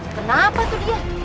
kenapa tuh dia